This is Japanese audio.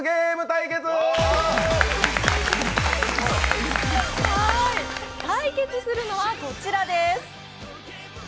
対決するのはこちらです。